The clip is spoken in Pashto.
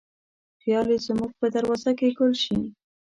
خیال یې زموږ په دروازه کې ګل شي